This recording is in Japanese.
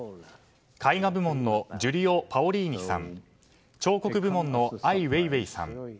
絵画部門のジュリオ・パオリーニさん彫刻部門のアイ・ウェイウェイさん